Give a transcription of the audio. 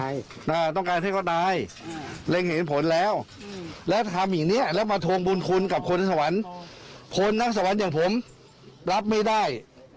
อยากเผาทนบุญคุณกับคนทั้งสวรรค์คนทั้งสวรรค์อย่างผมรับไม่ได้